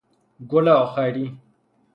گل اخری